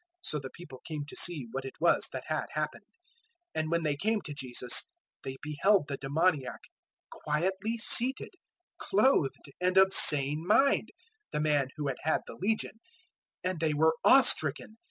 So the people came to see what it was that had happened; 005:015 and when they came to Jesus, they beheld the demoniac quietly seated, clothed and of sane mind the man who had had the legion; and they were awe stricken.